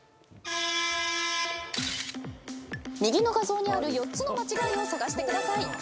右の画像にある４つの間違いを探してください。